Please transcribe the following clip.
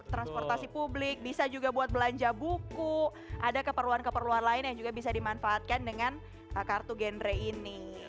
transportasi publik bisa juga buat belanja buku ada keperluan keperluan lain yang juga bisa dimanfaatkan dengan kartu gendre ini